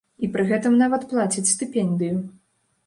І пры гэтым нават плацяць стыпендыю.